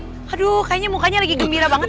aduh kayaknya mukanya lagi gembira banget